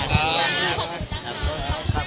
สวัสดีครับ